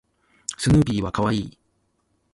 スヌーピーは可愛い